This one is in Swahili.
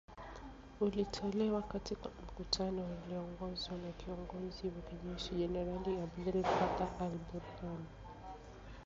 ulitolewa katika mkutano ulioongozwa na kiongozi wa kijeshi , jenerali Abdel Fattah al- Burhan